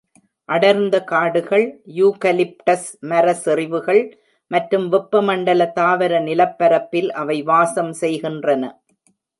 அடர்ந்த காடுகள், யூகலிப்டஸ் மர செறிவுகள் மற்றும் வெப்ப மண்டல தாவர நிலப்பரப்பில் அவை வாசம் செய்கின்றன.